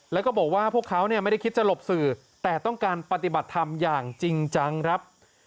แล้วก็บอกว่าพวกเขาเนี่ยไม่ได้คิดจะหลบสื่อแต่ต้องการปฏิบัติธรรมอย่างจริงจังครับ